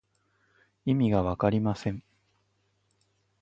意味がわかりません。